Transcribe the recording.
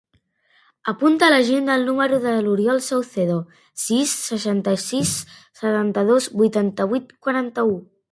Apunta a l'agenda el número de l'Oriol Saucedo: sis, seixanta-sis, setanta-dos, vuitanta-vuit, quaranta-u.